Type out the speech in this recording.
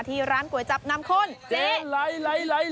ที่ร้านก๋วยจับน้ำข้นเจ๊ไล